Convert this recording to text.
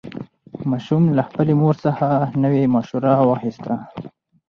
ماشوم له خپلې مور څخه نوې مشوره واخیسته